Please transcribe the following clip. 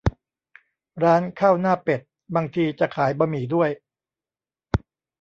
ร้านข้าวหน้าเป็ด บางทีจะขายบะหมี่ด้วย